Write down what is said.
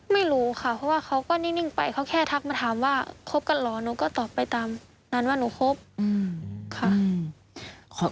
ไม่รู้ค่ะเพราะว่าเขาก็นิ่งไปเขาแค่ทักมาถามว่าคบกันเหรอหนูก็ตอบไปตามนั้นว่าหนูคบค่ะ